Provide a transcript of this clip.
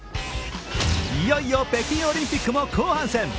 いよいよ北京オリンピックも後半戦。